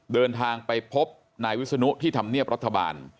เดินทางไปพบนายวิศนุที่ธรรมเนียบรัฐบาล